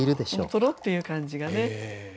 とろっていう感じがね。